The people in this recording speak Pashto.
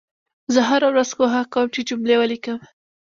زه هره ورځ کوښښ کوم چې جملې ولیکم